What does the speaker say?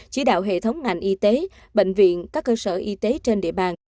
chỉ đạo hệ thống ngành y tế bệnh viện các cơ sở y tế trên địa bàn